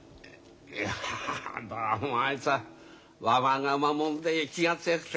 いやあどうもあいつはわがままもんで気が強くてね。